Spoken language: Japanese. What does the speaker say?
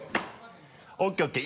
ＯＫＯＫ